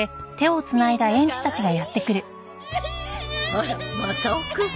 あらマサオくん。